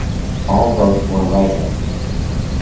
All votes were write-in.